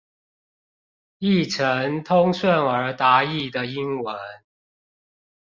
譯成通順而達意的英文